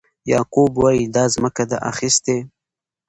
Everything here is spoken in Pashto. یعقوب وایي دا ځمکه ده اخیستې.